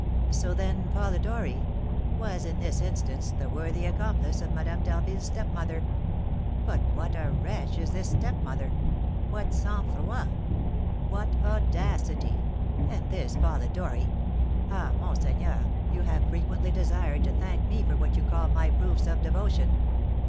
"So, then, Polidori " "Was, in this instance, the worthy accomplice of Madame d'Harville's stepmother. But what a wretch is this stepmother! What sang froid! What audacity! And this Polidori! Ah, monseigneur, you have frequently desired to thank me for what you call my proofs of devotion."